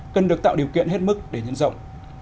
cần được tạo điều kiện hết mức để nhân rộng